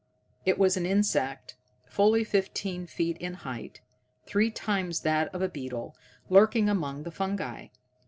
It was an insect fully fifteen feet in height, three times that of a beetle, lurking among the fungi.